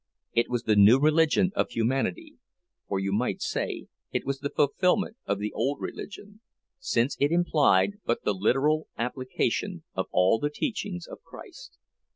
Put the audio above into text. It was the new religion of humanity—or you might say it was the fulfillment of the old religion, since it implied but the literal application of all the teachings of Christ.